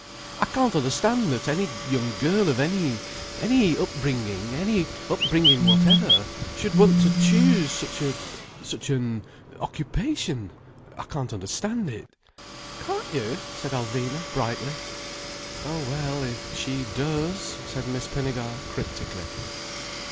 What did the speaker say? "I can't understand that any young girl of any—any upbringing, any upbringing whatever, should want to choose such a—such an—occupation. I can't understand it." "Can't you?" said Alvina brightly. "Oh well, if she does—" said Miss Pinnegar cryptically.